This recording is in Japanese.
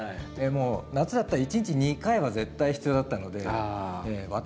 もう夏だったら一日２回は絶対必要だったので私